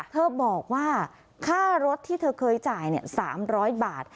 เธอบอกว่าค่ารถที่เธอเคยจ่าย๓๐๐บาท